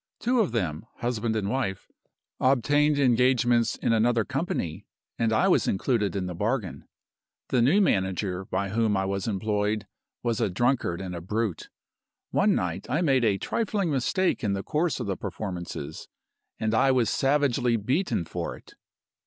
Two of them (husband and wife) obtained engagements in another company, and I was included in the bargain The new manager by whom I was employed was a drunkard and a brute. One night I made a trifling mistake in the course of the performances and I was savagely beaten for it.